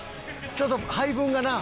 「ちょっと配分がな」